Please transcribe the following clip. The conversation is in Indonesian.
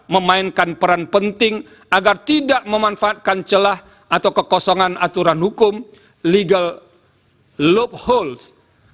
memainkan peran penting agar tidak memanfaatkan celah atau kekosongan aturan hukum legal lob holes